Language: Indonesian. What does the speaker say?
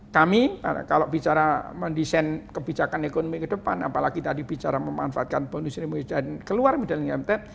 kami kalau bicara mendesain kebijakan ekonomi ke depan apalagi tadi bicara memanfaatkan bonus indonesia dan keluar medan imf